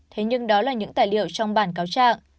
thế nhưng đó là những tài liệu trong bản cáo trạng